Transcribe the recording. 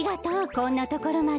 こんなところまで。